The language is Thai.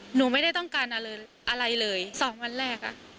หนูไม่ได้ต้องการอะไรอะไรเลย๒วันแรกอ่ะ